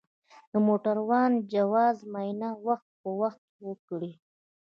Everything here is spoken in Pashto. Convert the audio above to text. د موټروان د جواز معاینه وخت په وخت وکړئ.